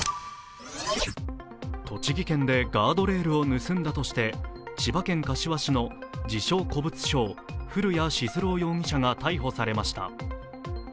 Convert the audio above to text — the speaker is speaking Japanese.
栃木県でガードレールを盗んだとして千葉県柏市の自称・古物商、古谷温朗容疑者が逮捕されました。